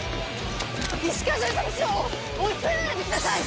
石川巡査部長を追い詰めないでください！